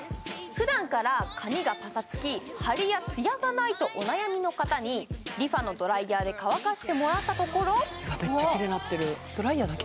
普段から髪がパサつき張りや艶がないとお悩みの方にＲｅＦａのドライヤーで乾かしてもらったところめっちゃキレイになってるドライヤーだけ？